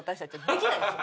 できないんです。